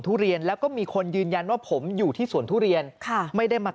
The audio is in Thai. ทุเรียนแล้วก็มีคนยืนยันว่าผมอยู่ที่สวนทุเรียนค่ะไม่ได้มา